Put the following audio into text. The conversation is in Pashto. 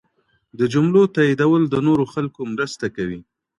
د جملو تایدول د نورو خلکو مرسته کوي.